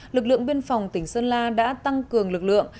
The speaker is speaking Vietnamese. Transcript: lực lượng biên phòng tỉnh sơn la đã tăng cường lực lượng